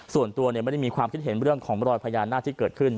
ส่วนตัวไม่ได้มีความคิดเห็นเรื่องของรอยพญานาคที่เกิดขึ้น